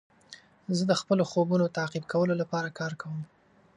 زه د خپلو خوبونو تعقیب کولو لپاره کار کوم.